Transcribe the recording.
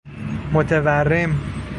متورم